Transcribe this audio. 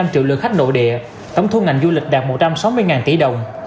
năm triệu lượt khách nội địa tổng thu ngành du lịch đạt một trăm sáu mươi tỷ đồng